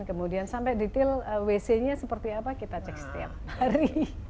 kemudian sampai detail wc nya seperti apa kita cek setiap hari